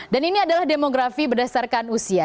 dan ini adalah demografi berdasarkan usia